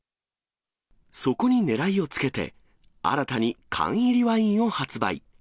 そこにねらいをつけて、新たに缶入りワインを発売。